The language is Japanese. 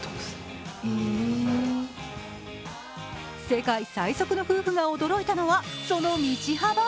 世界最速の夫婦が驚いたのはその道幅。